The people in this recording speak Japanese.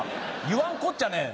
言わんこっちゃねえ。